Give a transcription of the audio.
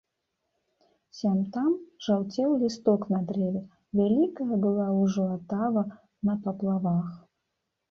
Сям-там жаўцеў лісток на дрэве, вялікая была ўжо атава на паплавах.